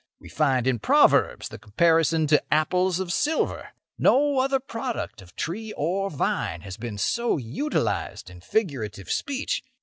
We find in Proverbs the comparison to 'apples of silver.' No other product of tree or vine has been so utilised in figurative speech.